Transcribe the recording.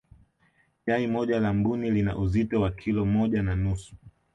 yai moja la mbuni lina uzito wa kilo moja na nusu